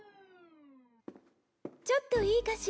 ちょっといいかしら？